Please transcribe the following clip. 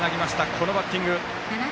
このバッティング。